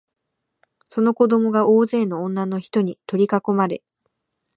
その子供が大勢の女のひとに取りかこまれ、